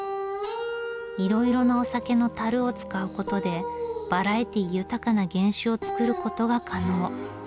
いろいろなお酒の樽を使うことでバラエティー豊かな原酒を造ることが可能。